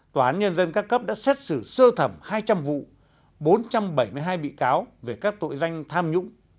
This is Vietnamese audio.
tòa án nhân dân các cấp đã xét xử sơ thẩm hai trăm linh vụ bốn trăm bảy mươi hai bị cáo về các tội danh tham nhũng